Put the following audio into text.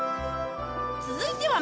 続いては麺！